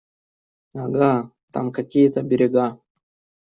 Ага, там какие-то берега.